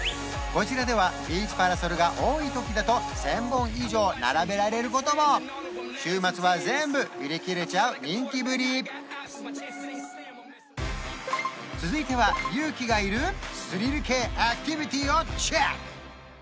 こちらではビーチパラソルが多い時だと１０００本以上並べられることも週末は全部売り切れちゃう人気ぶり続いては勇気がいるスリル系アクティビティをチェック！